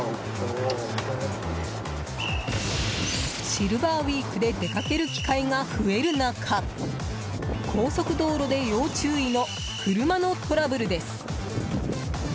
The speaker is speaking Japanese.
シルバーウイークで出かける機会が増える中高速道路で要注意の車のトラブルです。